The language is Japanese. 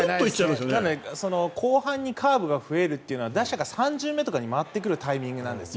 後半にカーブが増えるというのは打者が３巡目とかに回ってくるタイミングなんです。